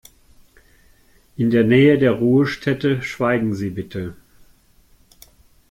In der Nähe der Ruhestätte schweigen Sie bitte.